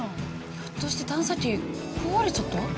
ひょっとして探査機壊れちゃった？